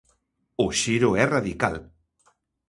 O xiro é radical.